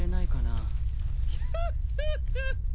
ヒョッヒョッヒョ。